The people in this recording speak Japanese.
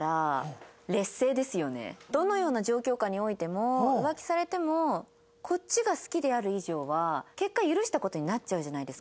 どのような状況下においても浮気されてもこっちが好きである以上は結果許した事になっちゃうじゃないですか。